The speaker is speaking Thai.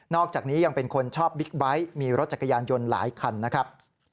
อกจากนี้ยังเป็นคนชอบบิ๊กไบท์มีรถจักรยานยนต์หลายคันนะครับ